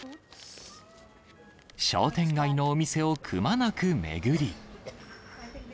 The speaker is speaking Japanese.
商店街のお店をくまなく巡り。